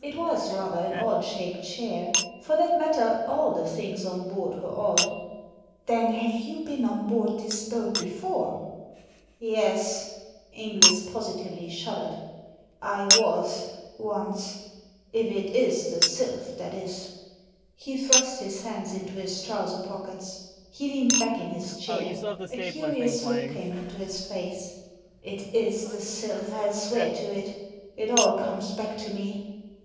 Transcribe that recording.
It was rather an odd shaped chair. For that matter, all the things on board were odd. "Then have you been on board this boat before?" " Yes." Inglis positively shuddered. " I was, once; if it is the Sylph, that is." He thrust his hands into his trouser pockets. He leaned back in his chair. A curious look came into his face. "It is the Sylph, I'll swear to it It all comes back to me.